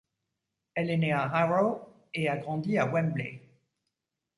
Elle est née à Harrow, et a grandi à Wembley.